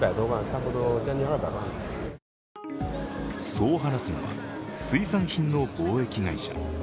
そう話すのは、水産品の貿易会社。